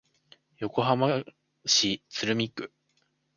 横浜市鶴見区